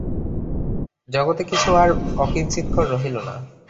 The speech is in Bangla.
জগতে কিছু আর অকিঞ্চিৎকর রহিল না।